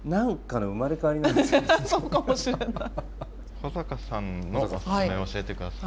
保坂さんのおすすめ教えて下さい。